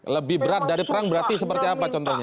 lebih berat dari perang berarti seperti apa contohnya